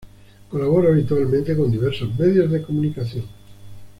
Colabora habitualmente con diversos medios de comunicación